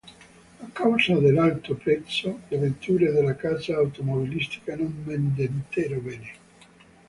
A causa dell'alto prezzo, le vetture della casa automobilistica non vendettero bene.